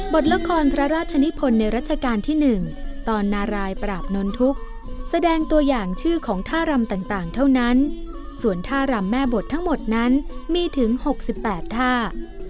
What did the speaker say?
บทละครพระราชนิพลในรัชกาลที่๑ตอนนารายปราบนนทุกข์แสดงตัวอย่างชื่อของท่ารำต่างเท่านั้นส่วนท่ารำแม่บททั้งหมดนั้นมีถึง๖๘ท่า